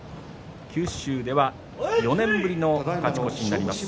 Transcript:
九州では４年ぶりの勝ち越しになります。